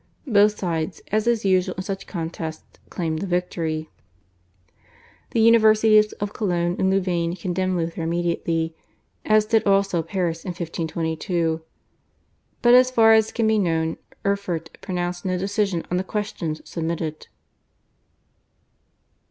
Both sides, as is usual in such contests, claimed the victory. The Universities of Cologne and Louvain condemned Luther immediately, as did also Paris in 1521, but as far as can be known Erfurt pronounced no decision on the questions submitted.